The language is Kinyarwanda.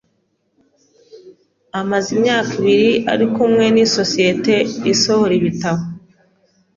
Amaze imyaka ibiri ari kumwe nisosiyete isohora ibitabo.